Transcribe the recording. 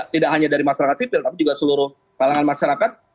tidak hanya dari masyarakat sipil tapi juga seluruh kalangan masyarakat